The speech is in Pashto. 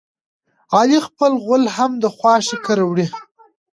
علي خپل غول هم د خواښې کره وړي.